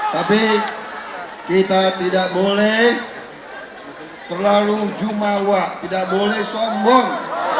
tapi kita tidak boleh terlalu jumawa tidak boleh sombong